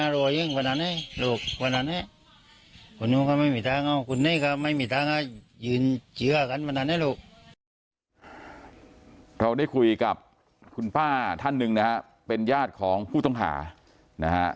เราได้คุยกับคุณป้าท่านหนึ่งนะฮะเป็นญาติของผู้ต้องหานะฮะ